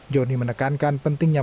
joni menekankan pentingnya